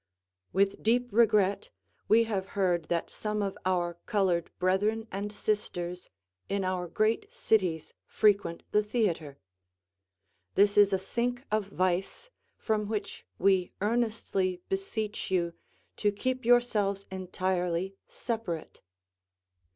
With deep regret we have heard that some of our colored brethren and sisters in our great cities frequent the theatre. This is a sink of vice from which we earnestly beseech you to keep yourselves entirely separate.